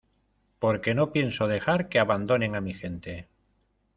porque no pienso dejar que abandonen a mi gente.